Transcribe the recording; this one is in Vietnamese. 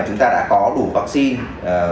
chúng ta đã có đủ vaccine